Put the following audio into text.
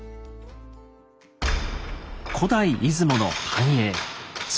古代出雲の繁栄。